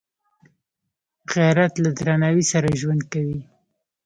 غیرت له درناوي سره ژوند کوي